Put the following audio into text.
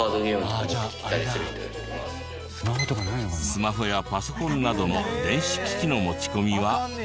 スマホやパソコンなどの電子機器の持ち込みはＮＧ。